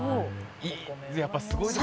いい。